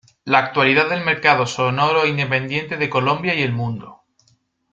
La actualidad del mercado sonoro independiente de Colombia y el mundo.